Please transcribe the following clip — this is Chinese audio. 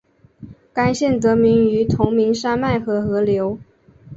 该县得名于同名山脉和河流。